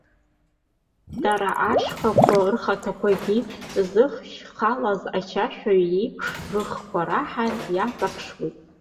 Дара ашьхақәа рхаҭагьы, зыхьшь халаз ачашәаҩ иеиԥш рыхқәа раҳаны иаҵаԥшуеит.